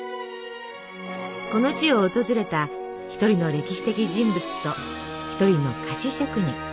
この地を訪れた一人の歴史的人物と一人の菓子職人。